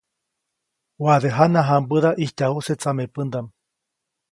Waʼade jana jãmbäda ʼijtyajuse tsamepändaʼm.